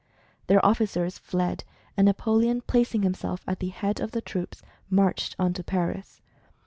Their officers fled, and Napoleon, placing himself at the head of the troops, marched on to Paris.